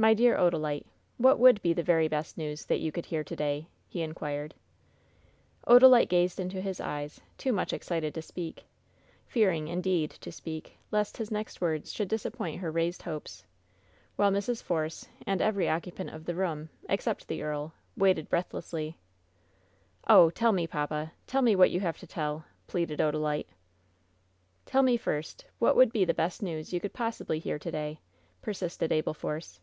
"My dear Odalite, what would be the very best news that you could hear to day?" he inquired. Odalite gazed into his eyes, too much excited to speak. Fearing, indeed, to speak, lest his next words should dis appoint her raised hopes, while Mrs. Force and every oc cupant of the room, except the earl, waited breath lessly. WHEN SHADOWS DIE 87 "Oh, tell me, papal tell me what you have to tell I*' pleaded Odalite. "Tell me, first, what would be the best news you could possibly hear to day ?" persisted Abel Force.